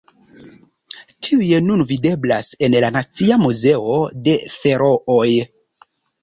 Tiuj nun videblas en la Nacia Muzeo de Ferooj.